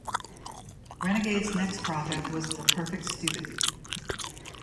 Renegade's next project was "The Perfect Student".